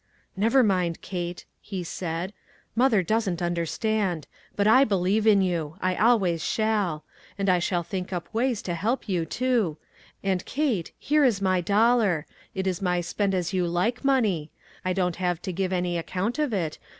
"Never mind, Kate/' he said, "mother doesn't understand; but 1 believe in you. I always shall. And I shall think up ways to help you, too. And, Kate, here is my dollar. It is my spend as you like money. I don't have to give any account of it.